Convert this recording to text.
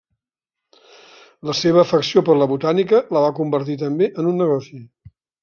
La seva afecció per la botànica la va convertir també en un negoci.